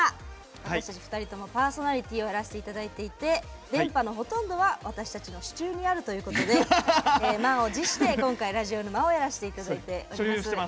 私たち２人ともパーソナリティーやらせていただいていて電波のほとんどは私たちの手中にあるということで満を持して本日ラジオ沼をやらせていただきます。